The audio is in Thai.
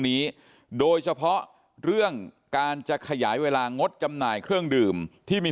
นี้โดยเฉพาะเรื่องการจะขยายเวลางดจำหน่ายเครื่องดื่มที่มี